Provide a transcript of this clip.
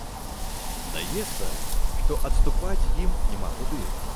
Здаецца, што адступаць ім няма куды.